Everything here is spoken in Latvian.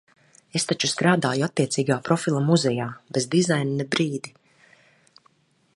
Es taču strādāju attiecīgā profila muzejā! Bez dizaina ne brīdi!